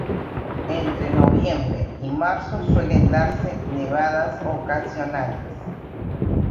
Entre noviembre y marzo suelen darse nevadas ocasionales.